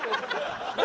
何？